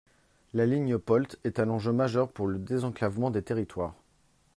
La ligne POLT est un enjeu majeur pour le désenclavement des territoires.